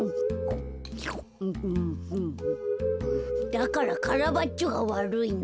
だからカラバッチョがわるいの。